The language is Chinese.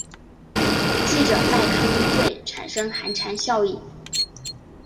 记者麦康瑞产生寒蝉效应。